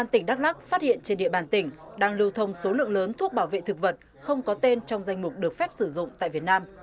tỉnh đắk lắc phát hiện trên địa bàn tỉnh đang lưu thông số lượng lớn thuốc bảo vệ thực vật không có tên trong danh mục được phép sử dụng tại việt nam